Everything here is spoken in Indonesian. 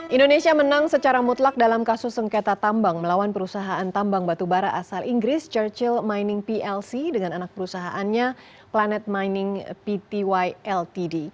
indonesia menang secara mutlak dalam kasus sengketa tambang melawan perusahaan tambang batubara asal inggris churchill mining plc dengan anak perusahaannya planet mining pty ltd